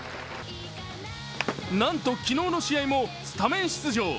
なんと昨日の試合もスタメン出場。